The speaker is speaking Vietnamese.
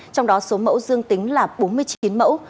trong đó số mẫu dương tính là bốn mươi chín mẫu